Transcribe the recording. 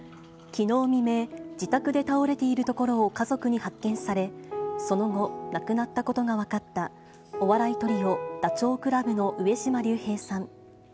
きのう未明、自宅で倒れているところを家族に発見され、その後、亡くなったことが分かった、お笑いトリオ、ダチョウ倶楽部の上島竜兵さん。